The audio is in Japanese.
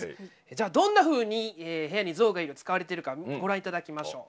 じゃあどんなふうに「部屋に象がいる」使われているかご覧頂きましょう。